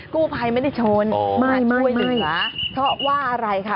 คู่ภัยไม่ได้ชนไม่ค่ะเพราะว่าอะไรค่ะ